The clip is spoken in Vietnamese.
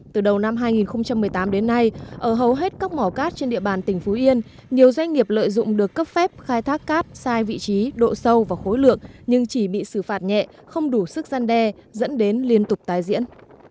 từ đầu năm hai nghìn một mươi tám đến nay ở hầu hết các mỏ cát trên địa bàn tỉnh phú yên nhiều doanh nghiệp lợi dụng được cấp phép khai thác cát sai vị trí độ sâu và khối lượng nhưng chỉ bị xử phạt nhẹ không đủ sức gian đe dẫn đến liên tục tái diễn